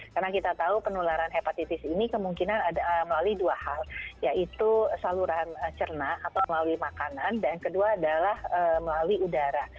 karena kita tahu penularan hepatitis ini kemungkinan ada melalui dua hal yaitu saluran cerna atau melalui makanan dan kedua adalah melalui udara